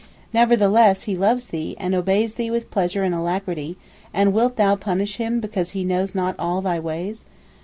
Never the less he loves thee, and obeys thee with pleasure and alacrity; and wilt thou punish him because he knows not all thy ways?